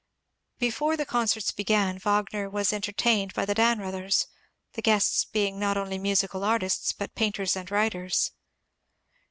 Before the concerts began, Wagner was entertained by the Dannreuthers, the guests being not only musical artists but painters and writers.